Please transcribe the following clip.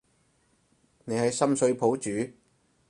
你喺深水埗住？